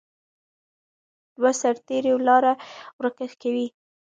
دوه سرتیري لاره ورکه کوي.